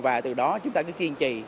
và từ đó chúng ta cứ kiên trì